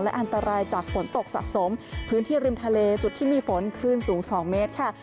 อันตรายจากฝนตกสะสมพื้นที่ริมทะเลจุดที่มีฝนคลื่นสูง๒เมตรค่ะ